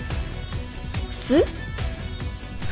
普通？